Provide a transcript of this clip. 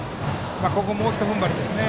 ここ、もうひとふんばりですね